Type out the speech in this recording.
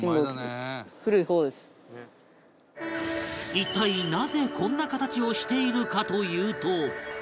一体なぜこんな形をしているかというと